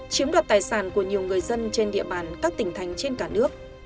chiếm đoạt tài sản của nhiều người dân trên địa bàn các tỉnh thành trên cả nước